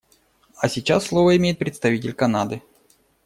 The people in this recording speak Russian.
А сейчас слово имеет представитель Канады.